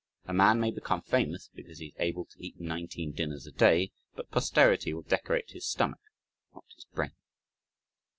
A man may become famous because he is able to eat nineteen dinners a day, but posterity will decorate his stomach, not his brain.